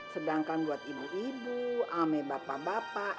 sedangkan buat ibu ibu ame bapak bapak